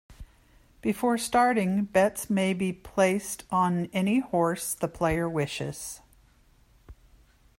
Before starting, bets may be placed on any horse the player wishes.